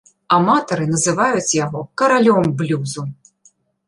Аматары называюць яго каралём блюзу.